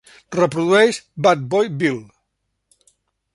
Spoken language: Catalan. Reprodueix Bad Boy Bill